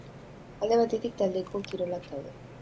Alde batetik taldeko kirolak daude.